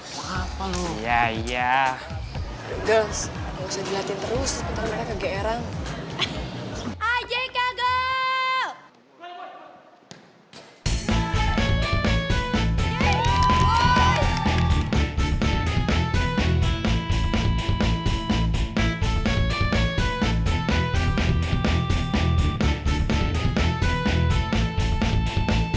tidak ada yang ngajakin